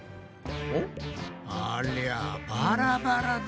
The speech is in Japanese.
ありゃバラバラだ。